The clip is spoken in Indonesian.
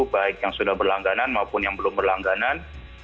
baik yang sudah berlangganan maupun yang belum berlangganan